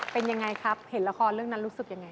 เป็นยังไงครับเห็นละครเรื่องนั้นรู้สึกยังไง